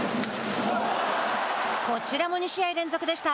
こちらも２試合連続でした。